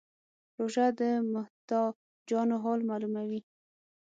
روژه د محتاجانو حال معلوموي.